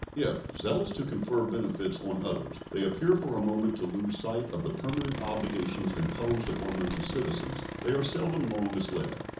If, zealous to confer benefits on others, they appear for a moment to lose sight of the permanent obligations imposed upon them as citizens, they are seldom long misled.